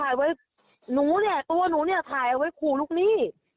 ถ่ายไว้หนูเนี่ยตัวหนูเนี่ยถ่ายเอาไว้ขู่ลูกหนี้